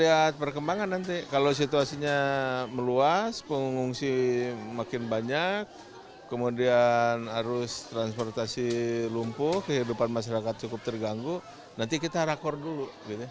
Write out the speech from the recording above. lihat perkembangan nanti kalau situasinya meluas pengungsi makin banyak kemudian arus transportasi lumpuh kehidupan masyarakat cukup terganggu nanti kita rakor dulu